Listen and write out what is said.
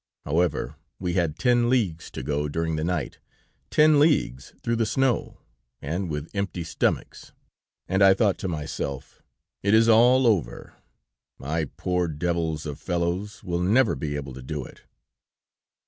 However, we had ten leagues to go during the night, ten leagues through the snow, and with empty stomachs, and I thought to myself: "'It is all over; my poor devils of fellows will never be able to do it.'